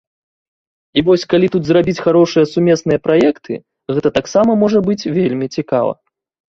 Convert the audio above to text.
І вось калі тут зрабіць харошыя сумесныя праекты, гэта таксама можа быць вельмі цікава.